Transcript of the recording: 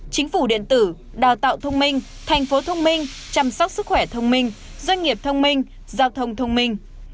chính phủ điện tử đào tạo thông minh thành phố thông minh chăm sóc sức khỏe thông minh doanh nghiệp thông minh giao thông thông minh